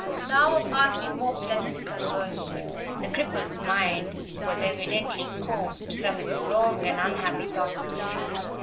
The hour passed in more pleasant converse. The cripple's mind was evidently coaxed from its wrong and unhappy thoughts.